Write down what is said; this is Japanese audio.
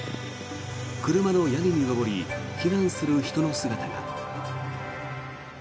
車の屋根に上り避難する人の姿が。